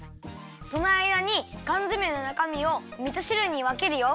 そのあいだにかんづめのなかみをみとしるにわけるよ。